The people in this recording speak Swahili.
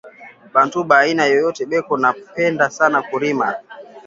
Bantu ba aina yote beko na penda sana kurima